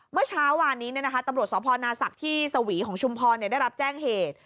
เมื่อเช้าวานนี้ตำรวจสพนาศักดิ์ที่สวีของชุมพรได้รับแจ้งเหตุ